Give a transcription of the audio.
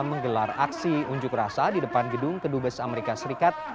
menggelar aksi unjuk rasa di depan gedung kedubes amerika serikat